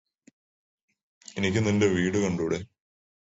എനിക്ക് നിന്റെ വീട് കണ്ടൂടെ